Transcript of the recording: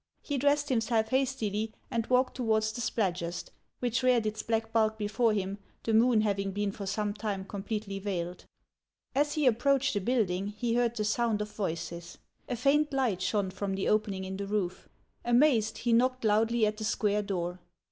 He dressed himself hastily, and walked towards the Spladgest, which reared its black bulk before him, the moon having been for some time completely veiled. HANS OF ICELAND. 65 As he approached the building he heard the sound of voices ; a faint light shone from the opening in the roof. Amazed, he knocked loudly at the square door.